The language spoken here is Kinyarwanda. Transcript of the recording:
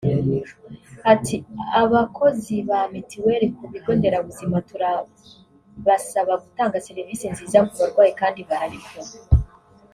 Ati “Abakozi ba mituweli ku bigo nderabuzima turabasaba gutanga serivisi nziza ku barwayi kandi barabikora